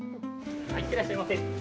はい、行ってらっしゃいませ。